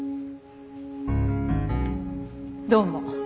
どうも。